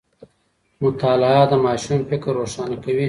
مطالعه د ماشوم فکر روښانه کوي.